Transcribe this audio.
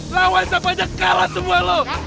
lawan siapa aja kalah semua lo